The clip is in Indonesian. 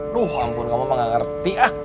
duh ampun kamu mah gak ngerti ah